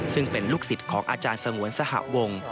ซึ่งเป็นลูกศิษย์ของอาจารย์สงวนสหวง